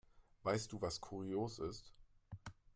Weißt du, was kurios ist?